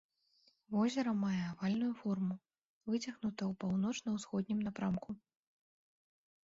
Возера мае авальную форму, выцягнута ў паўночна-ўсходнім напрамку.